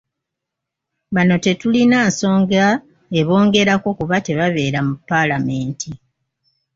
Bano tetulina nsonga ebongerako kuba tebabeera mu Paalamenti.